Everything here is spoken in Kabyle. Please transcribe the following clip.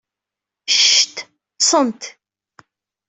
Cct! Ḍḍsent!